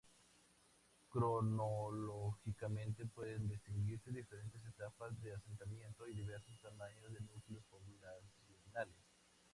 Cronológicamente pueden distinguirse diferentes etapas de asentamiento y diversos tamaños de núcleos poblacionales.